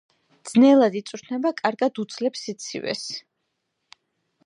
ძნელად იწვრთნება, კარგად უძლებს სიცივეს.